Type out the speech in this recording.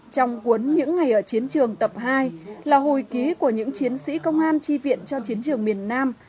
trong cuốn những ngày ở chiến trường tập hai là hồi ký của những chiến sĩ công an chi viện cho chiến trường miền nam